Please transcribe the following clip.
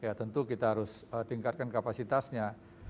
ya tentu kita harus tingkatkan kapasitasnya